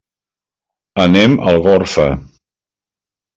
Anem a Algorfa.